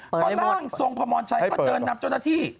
พอล่างทรงพระมรชัยเขาเดินนับเจ้าหน้าที่